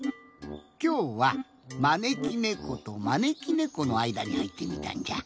きょうはまねきねことまねきねこのあいだにはいってみたんじゃ。